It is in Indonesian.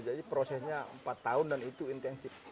jadi prosesnya empat tahun dan itu intensif